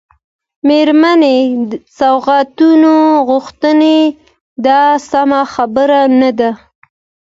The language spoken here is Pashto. مېرمنې سوغاتونه غواړي دا سمه خبره نه ده.